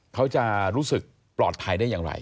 เขาจะรู้สึกปลอดภัยได้อย่างไร